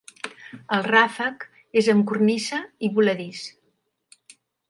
El ràfec és amb cornisa i voladís.